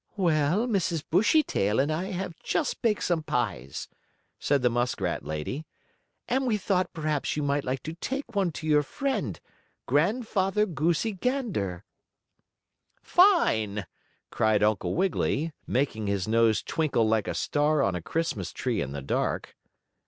"Well, Mrs. Bushytail and I have just baked some pies," said the muskrat lady, "and we thought perhaps you might like to take one to your friend, Grandfather Goosey Gander." "Fine!" cried Uncle Wiggily, making his nose twinkle like a star on a Christmas tree in the dark.